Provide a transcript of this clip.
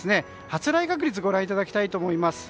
発雷確率をご覧いただきたいと思います。